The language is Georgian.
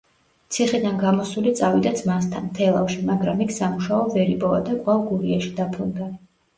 ციხიდან გამოსული წავიდა ძმასთან, თელავში, მაგრამ იქ სამუშაო ვერ იპოვა და კვლავ გურიაში დაბრუნდა.